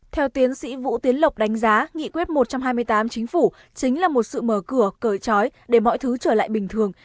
theo tiến sĩ vũ tiến lộc đánh giá nghị quyết một trăm hai mươi tám chính phủ chính là một sự mở cửa cởi trói để mọi thứ trở lại bình thường